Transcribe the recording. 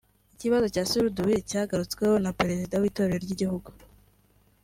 Ikibazo cya Suruduwili cyagarutsweho na Perezida w’Itorero ry’Igihugu